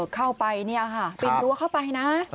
เข้าไปเนี่ยค่ะปีนรั้วเข้าไปนะ